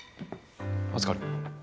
預かる。